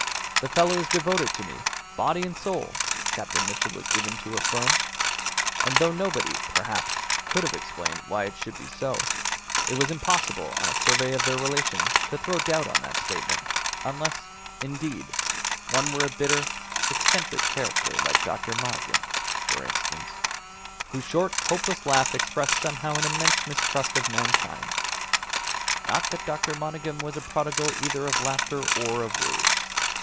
"The fellow is devoted to me, body and soul!" Captain Mitchell was given to affirm; and though nobody, perhaps, could have explained why it should be so, it was impossible on a survey of their relation to throw doubt on that statement, unless, indeed, one were a bitter, eccentric character like Dr. Monygham for instance whose short, hopeless laugh expressed somehow an immense mistrust of mankind. Not that Dr. Monygham was a prodigal either of laughter or of words.